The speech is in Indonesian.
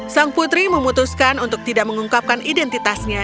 sang putri memutuskan untuk tidak mengungkapkan identitasnya